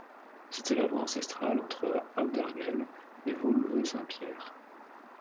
C’était la voie ancestrale entre Auderghem et Woluwe-Saint-Pierre.